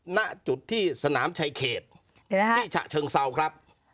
ณจุดที่สนามชายเขตที่ฉะเชิงเซาครับ